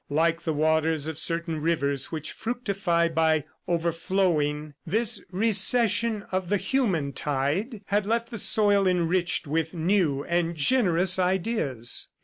Like the waters of certain rivers which fructify by overflowing, this recession of the human tide had left the soil enriched with new and generous ideas.